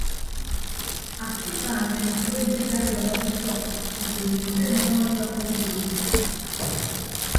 Afịd ibaan mme ntәkeyịn eya edọñọ ke ufọk tutu mme ebe ọmmọ enyọñ edi o.